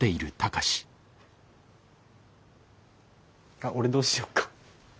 あ俺どうしてよっか？